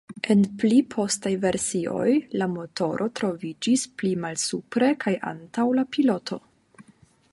En pli postaj versioj la motoro troviĝis pli malsupre kaj antaŭ la piloto.